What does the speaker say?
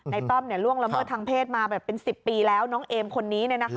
นายต้อมเนี่ยร่วงละเมืองทางเพศมาแบบเป็น๑๐ปีแล้วน้องเอมคนนี้เนี่ยนะคะ